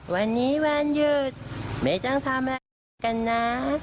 วันนี้วันหยุดไม่ต้องทำอะไรกันนะ